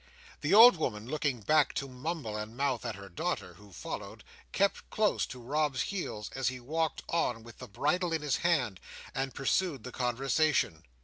The old woman looking back to mumble and mouth at her daughter, who followed, kept close to Rob's heels as he walked on with the bridle in his hand; and pursued the conversation.